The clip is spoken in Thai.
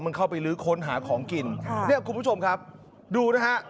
มันเข้าไปลื้อค้นหาของกินคุณผู้ชมดูนะคะ